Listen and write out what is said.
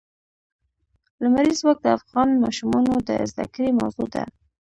لمریز ځواک د افغان ماشومانو د زده کړې موضوع ده.